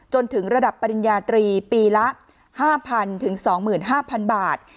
จนถึงระดับปริญญาตรีปีละ๕๐๐๐ถึง๒๕๐๐บาท